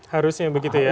harusnya begitu ya